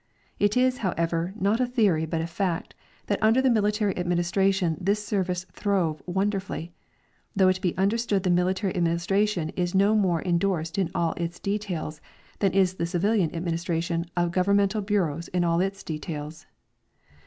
It is, however, not a theory but a fact that under the military administration this service throve wonder fully ; though be it understood the military administration is no more indorsed in all its details than is the civilian adminis tration of governmental bureaus in all its details.